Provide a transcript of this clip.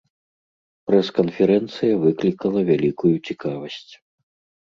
Прэс-канферэнцыя выклікала вялікую цікавасць.